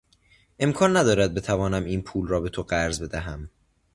امکان ندارد بتوانم این پول را به تو قرض بدهم.